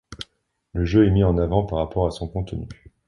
Le jeu est mis en avant par rapport à son contenu.